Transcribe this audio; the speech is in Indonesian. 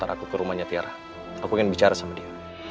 aku akan menyerahkan bayi ini